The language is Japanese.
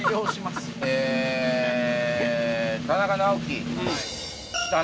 田中直樹。